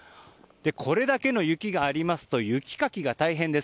これだけの雪がありますと雪かきが大変です。